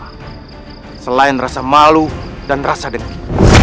hai selain rasa malu dan rasa dengki